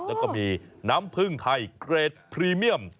แล้วก็มีน้ำผึ้งไทยเกรดพรีเมียม